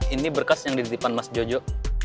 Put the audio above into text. ini berkas yang dititipan mas jojo